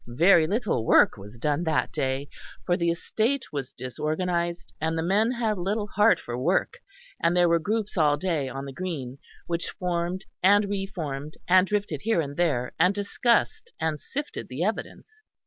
Very little work was done that day, for the estate was disorganised; and the men had little heart for work; and there were groups all day on the green, which formed and re formed and drifted here and there and discussed and sifted the evidence.